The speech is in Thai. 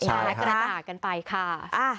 ใช่ครับกระจ่ากันไปค่ะ